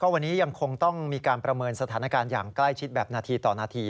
วันนี้ยังคงต้องมีการประเมินสถานการณ์อย่างใกล้ชิดแบบนาทีต่อนาที